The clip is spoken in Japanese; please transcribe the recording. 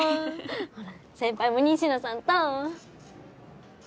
ほら先輩も仁科さんと。